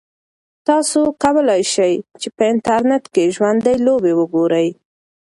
تاسو کولای شئ چې په انټرنیټ کې ژوندۍ لوبې وګورئ.